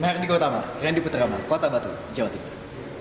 meher di kota amar randy putra amar kota batu jawa tenggara